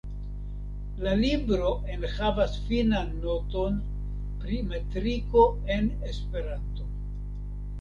La libro enhavas finan noton pri metriko en Esperanto.